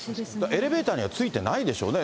エレベーターには付いてないでしょうね。